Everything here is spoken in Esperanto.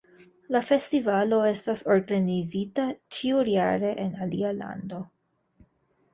La festivalo estas organizita ĉiujare en alia lando.